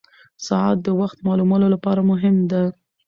ساعت د وخت معلومولو لپاره مهم ده.